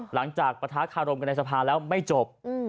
หลังจากประทะคารมกันในสภาแล้วไม่จบ